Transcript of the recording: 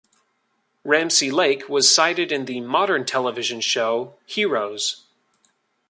Ramsey Lake was cited in the modern television show "Heroes".